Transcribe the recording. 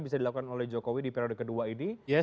bisa dilakukan oleh jokowi di periode kedua ini